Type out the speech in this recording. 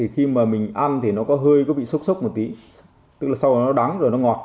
khi ăn thì hơi có vị sốc sốc một tí sau đó nó đắng rồi ngọt